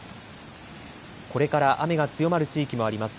これから雨が強まる地域もあります。